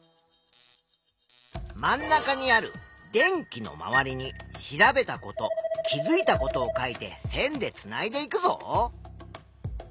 真ん中にある電気の周りに調べたこと気づいたことを書いて線でつないでいくぞ。